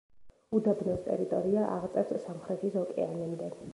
უდაბნოს ტერიტორია აღწევს სამხრეთის ოკეანემდე.